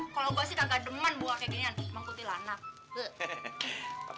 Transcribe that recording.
kalo gua sih kagak demen buah kayak ginian cuma kutilanak